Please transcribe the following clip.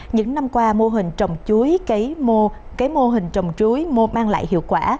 những năm qua mô hình trồng chuối cấy mô cấy mô hình trồng chuối mô mang lại hiệu quả